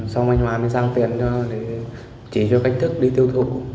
xong anh hòa mới sang tiền cho nó để chỉ cho cách thức đi tiêu thụ